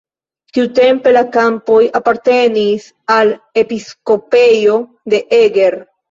Tiutempe la kampoj apartenis al episkopejo de Eger.